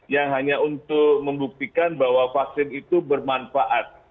yang hanya untuk membuktikan bahwa vaksin itu bermanfaat